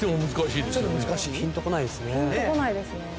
ピンとこないですね。